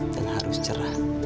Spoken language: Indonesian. dan harus cerah